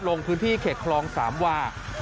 ลงพื้นที่เขตคลองสามวา